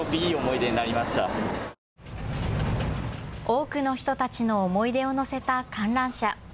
多くの人たちの思い出を乗せた観覧車。